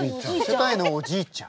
世界のおじいちゃん？